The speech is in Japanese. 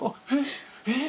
えっ？